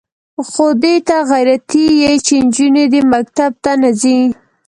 خو دې ته غیرتي یې چې نجونې دې مکتب ته نه ځي.